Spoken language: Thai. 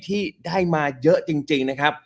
ที่ได้มาเยอะจริงนะครับ